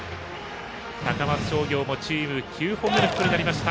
高松商業もチーム９本目のヒットになりました。